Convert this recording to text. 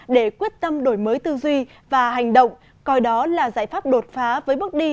để quyết tâm đổi mới tư duy và hành động coi đó là giải pháp đột phá với bước đi